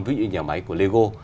ví dụ như nhà máy của lego